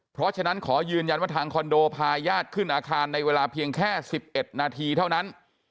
เพราะฉะนั้นขอยืนยันว่าทางคอนโดพาญาติขึ้นอาคารในเวลาเพียงแค่๑๑นาทีเท่านั้น